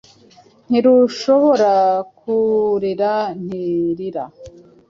Ntirushobora kurira nti 'Rira!